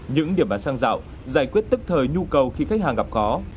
những điểm bán xăng dạo giải quyết tức thời nhu cầu khi khách hàng gặp khó